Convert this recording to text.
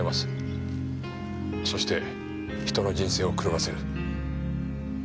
そして人の人生を狂わせる。